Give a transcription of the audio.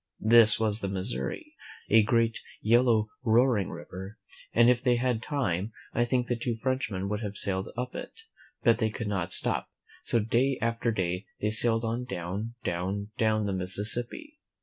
This was the Mis souri, a great, yellow, roaring river, and if they had time, I think the two Frenchmen would have sailed up it; but they could not stop. So day after day they sailed on down, down, down the Mississippi.